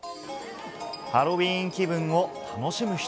ハロウィーン気分を楽しむ人